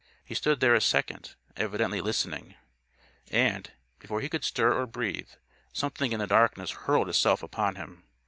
He stood there a second, evidently listening. And, before he could stir or breathe, something in the darkness hurled itself upon him.